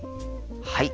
はい。